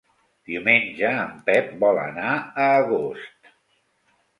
Diumenge en Pep vol anar a Agost.